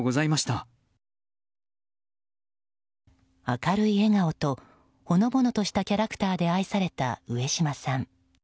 明るい笑顔とほのぼのとしたキャラクターで愛された上島さん。